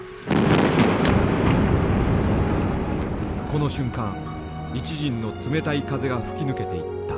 この瞬間一陣の冷たい風が吹き抜けていった。